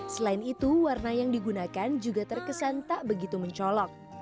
selain itu warna yang digunakan juga terkesan tak begitu mencolok